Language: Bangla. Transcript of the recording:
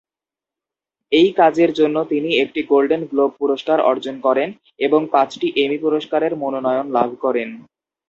এই কাজের জন্য তিনি একটি গোল্ডেন গ্লোব পুরস্কার অর্জন করেন এবং পাঁচটি এমি পুরস্কারের মনোনয়ন লাভ করেন।